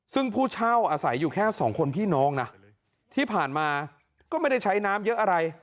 ซึ่งผู้เช่าอาศัยอยู่แค่สองคนพี่น้องนะที่ผ่านมาก็ไม่ได้ใช้น้ำเยอะอะไร